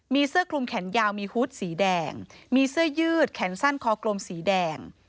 มีเสื้อคลุมแขนยาวมีฮูตสีแดงมีเสื้อยืดแขนสั้นคอกลมสีแดง